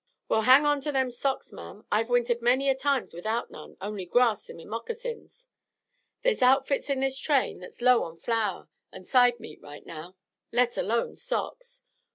"Well, hang on to them socks, ma'am. I've wintered many a time without none only grass in my moccasins. There's outfits in this train that's low on flour an' side meat right now, let alone socks.